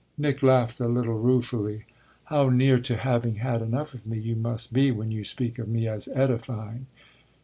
Nick laughed a little ruefully. "How near to having had enough of me you must be when you speak of me as edifying!"